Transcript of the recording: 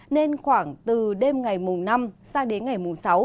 nên khoảng từ đêm ngày mùng năm sang đến ngày mùng sáu